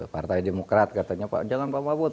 partai demokrat katanya jangan pak mafud